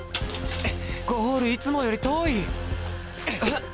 ゴールいつもより遠い！